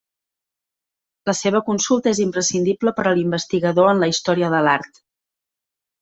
La seva consulta és imprescindible per a l'investigador en la història de l'art.